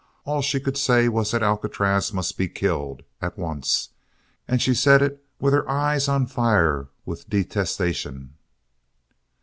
All she could say was that Alcatraz must be killed at once! And she said it with her eyes on fire with detestation.